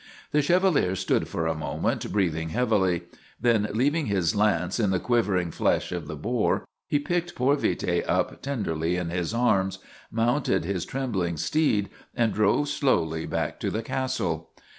The Chevalier stood for a moment, breathing heavily. Then, leaving his lance in the quivering flesh of the boar, he picked poor Vite up tenderly in his arms, mounted his trembling steed, and drove slowly back to the castle.